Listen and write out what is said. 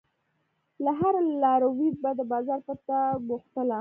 له هر لاروي به د بازار پته پوښتله.